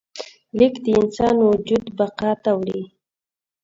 لیک د انسان وجود بقا ته وړي.